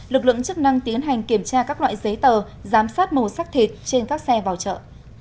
lực lượng chức năng tiến hành kiểm tra các loại giấy tờ giám sát màu sắc thịt trên các xe vào chợ